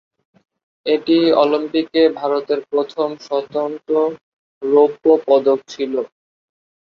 এটি অলিম্পিকে ভারতের প্রথম স্বতন্ত্র রৌপ্য পদক ছিল।